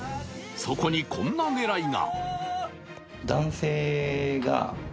そこにこんな狙いが。